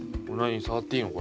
触っていいの？